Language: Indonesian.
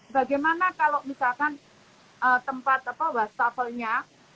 bagaimana kalau misalkan tempat wastafelnya